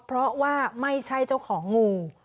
เพราะว่าไม่ใช่เจ้าของงู